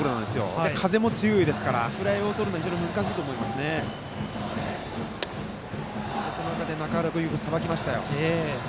それで風も強いですからフライをとるのが非常に難しいと思いますがその中で中浦君がよくさばきました。